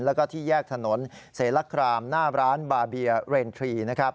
แล้วก็ที่แยกถนนเสลครามหน้าร้านบาร์เบียร์เรนทรี